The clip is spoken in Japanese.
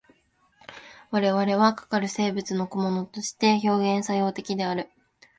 我々はかかる世界の個物として表現作用的である。